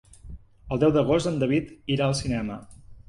El deu d'agost en David irà al cinema.